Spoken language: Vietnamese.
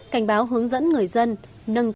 cảnh báo hướng dẫn người dân nâng cấp